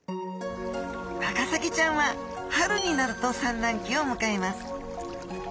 ワカサギちゃんは春になると産卵期を迎えます。